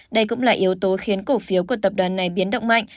đây cũng là yếu tố khiến cổ phiếu của tập đoàn này biến động mạnh